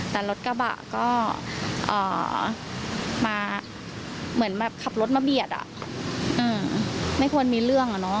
แต่รถกระบะก็เหมือนขับรถมาเบียดไม่ควรมีเรื่อง